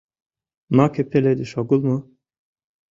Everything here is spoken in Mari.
Маке пеледыш огыл мо?